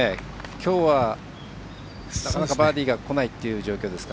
きょうは、なかなかバーディーがこないという状況ですか。